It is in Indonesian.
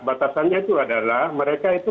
batasannya itu adalah mereka itu